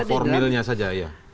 salah formilnya saja